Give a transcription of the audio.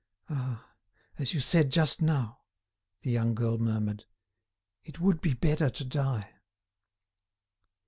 "Ah! as you said just now," the young girl murmured, "it would be better to die."